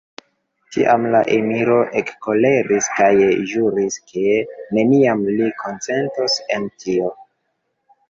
Tiam la emiro ekkoleris kaj ĵuris, ke neniam li konsentos en tio.